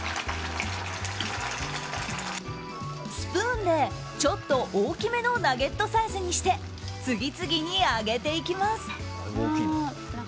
スプーンでちょっと大きめのナゲットサイズにして次々に揚げていきます。